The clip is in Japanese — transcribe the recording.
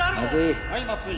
松井。